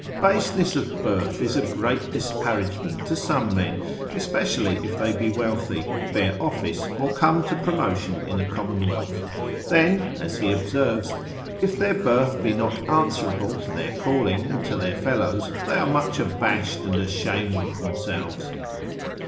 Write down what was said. Baseness of birth is a great disparagement to some men, especially if they be wealthy, bear office, and come to promotion in a commonwealth; then (as he observes) if their birth be not answerable to their calling, and to their fellows, they are much abashed and ashamed of themselves.